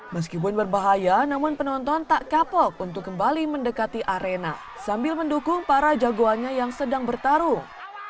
meskipun berbahaya namun penonton tak kapok untuk kembali mendekati arena sambil mendukung para jagoannya yang sedang bertarung